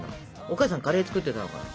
お母さんカレー作ってたのかな？